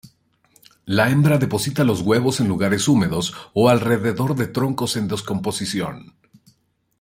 La hembra deposita los huevos en lugares húmedos o alrededor de troncos en descomposición.